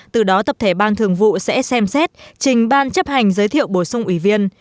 từ đó tập thể ban thường vụ sẽ xem xét trình ban chấp hành giới thiệu bổ sung ủy viên